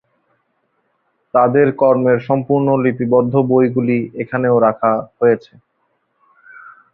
তাদের কর্মের সম্পূর্ণ লিপিবদ্ধ বইগুলি এখানেও রাখা হয়েছে।